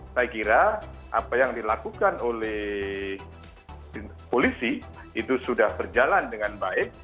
saya kira apa yang dilakukan oleh polisi itu sudah berjalan dengan baik